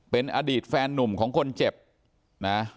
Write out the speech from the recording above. เป็นอดีตแฟนนุ่มของคนเจ็บนะ